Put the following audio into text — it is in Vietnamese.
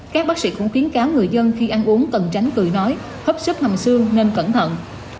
các bác sĩ cũng khuyến cáo người dân khi ăn uống cần tránh cười nói hấp xương nên cẩn thận